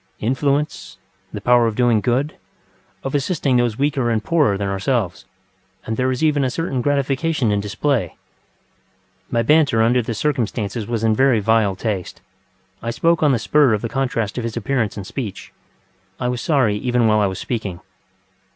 Influence, the power of doing good, of assisting those weaker and poorer than ourselves; and there is even a certain gratification in display ..... ŌĆØ My banter under the circumstances was in very vile taste. I spoke on the spur of the contrast of his appearance and speech. I was sorry even while I was speaking.